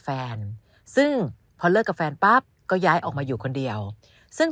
แฟนซึ่งพอเลิกกับแฟนปั๊บก็ย้ายออกมาอยู่คนเดียวซึ่ง